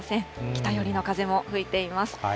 北寄りの風も吹いています。